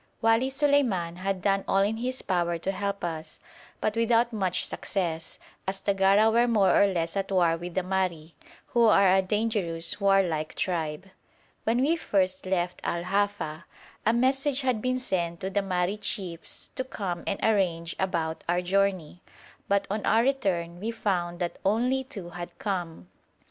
Wali Suleiman had done all in his power to help us, but without much success, as the Gara were more or less at war with the Mahri, who are a dangerous warlike tribe. When we first left Al Hafa, a message had been sent to the Mahri chiefs to come and arrange about our journey, but on our return we found that only two had come.